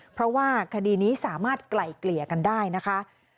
เพราะว่าคดีนี้สามารถไกล่เกลี่ยกันได้นะคะ